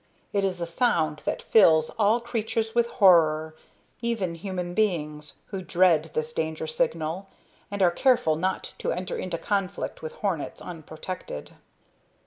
It is a sound that fills all creatures with horror, even human beings, who dread this danger signal, and are careful not to enter into conflict with hornets unprotected.